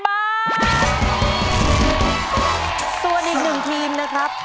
ส่วนอีกหนึ่งทีมนะครับ